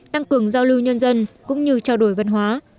tăng cường giao lưu nhân dân cũng như trao đổi văn hóa